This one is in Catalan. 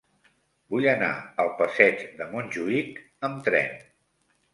Vull anar al passeig de Montjuïc amb tren.